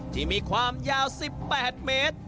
ที่มีความยาว๑๘เมตร